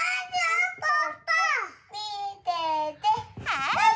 はい！